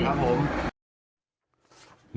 ครับผม